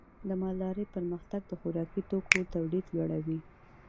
د مالدارۍ پرمختګ د خوراکي توکو تولید لوړوي.